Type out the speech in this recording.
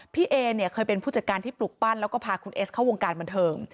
พี่เอเนี่ยเคยเป็นผู้จัดการที่ปลุกปั้นแล้วก็พาคุณเอสเข้าวงการบันเทิง